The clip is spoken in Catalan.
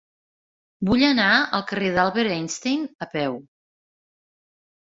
Vull anar al carrer d'Albert Einstein a peu.